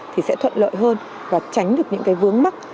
thì sẽ thuận lợi hơn và tránh được những cái vướng mắt